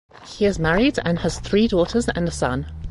He is married and has three daughters and a son.